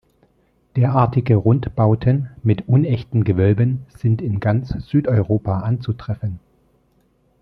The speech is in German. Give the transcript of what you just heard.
Derartige Rundbauten mit unechten Gewölben sind in ganz Südeuropa anzutreffen.